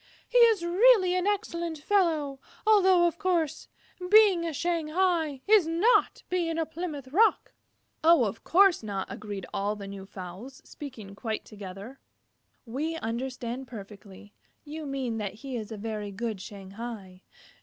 He is really an excellent fellow, although, of course, being a Shanghai is not being a Plymouth Rock." "Of course not," agreed all the new fowls, speaking quite together. "We understand perfectly. You mean that he is a very good Shanghai."